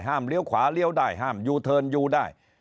เลี้ยวขวาเลี้ยวได้ห้ามยูเทิร์นยูได้